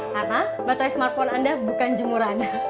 karena baterai smartphone anda bukan jemuran